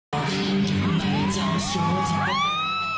ไม่ชอบผู้ชายแบร์ด่ะครับ